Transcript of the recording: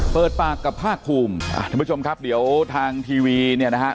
เปิดปากกับภาคภูมิท่านผู้ชมครับเดี๋ยวทางทีวีเนี่ยนะฮะ